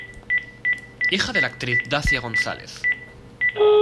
Hija de la actriz Dacia González.